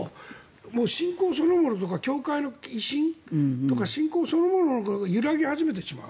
もう信仰そのものとか教会の威信とか信仰そのものが揺らぎ始めてしまう。